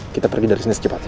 kita pergi dari sini secepatnya